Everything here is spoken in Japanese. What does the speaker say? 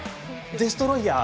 デストロイヤー！